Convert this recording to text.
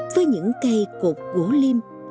với những cây cột gỗ liêm